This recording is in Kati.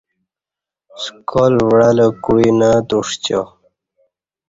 سکال وعہ لہ کوعی نہ اتوݜیو